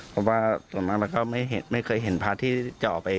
เพราะว่าส่วนมากแล้วก็ไม่เคยเห็นพระที่จะออกไป